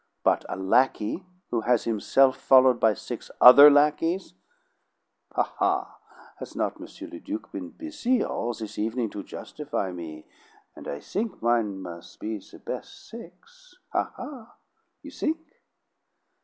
But a lackey who has himself followed by six other lackeys " "Ha, ha! Has not M. le Duc been busy all this evening to justify me? And I think mine mus' be the bes' six. Ha, ha! You think?"